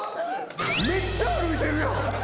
めっちゃ歩いてるやん。